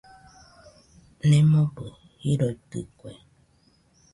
Nemobɨ jiroitɨkue.